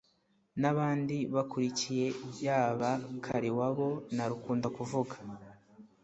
Nabandi bakurikiye yaba Kaliwabo na Rukundakuvuga